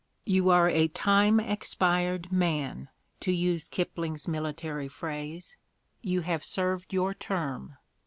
"You are a time expired man, to use Kipling's military phrase; you have served your term"!